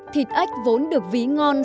thịt ếch vốn được ví ngon